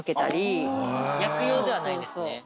焼く用ではないんですね